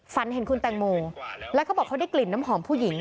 ฝันเห็นคุณแตงโมแล้วเขาบอกเขาได้กลิ่นน้ำหอมผู้หญิง